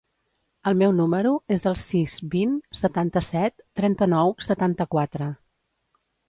El meu número es el sis, vint, setanta-set, trenta-nou, setanta-quatre.